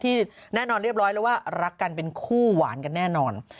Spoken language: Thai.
ที่แน่นอนเรียบร้อยแล้วว่ารักกันเป็นคู่หวานกันแน่นอน